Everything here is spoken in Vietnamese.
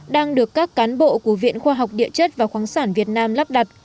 đang được các cán bộ của viện khoa học địa chất và khoáng sản việt nam lắp đặt